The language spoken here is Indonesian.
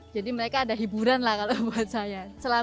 jadi mereka ada hiburan lah kalau buat saya